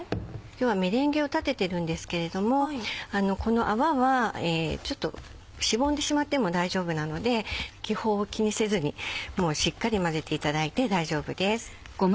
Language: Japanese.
メレンゲを立ててるんですけれどもこの泡はしぼんでしまっても大丈夫なので気泡を気にせずにしっかり混ぜていただいて大丈夫です。